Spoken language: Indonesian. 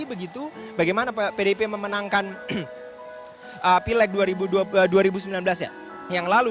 begitu bagaimana pdip memenangkan pilek dua ribu sembilan belas yang lalu